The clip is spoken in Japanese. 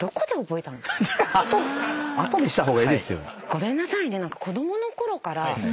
ごめんなさいね。